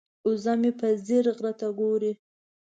وزه مې په ځیر غره ته ګوري.